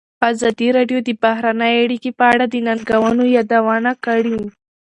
ازادي راډیو د بهرنۍ اړیکې په اړه د ننګونو یادونه کړې.